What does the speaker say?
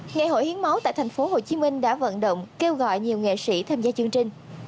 ngày hội hiến máu tại tp hcm đã vận động kêu gọi nhiều nghệ sĩ tham gia chương trình